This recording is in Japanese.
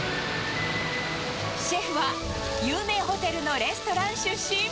シェフは有名ホテルのレストラン出身。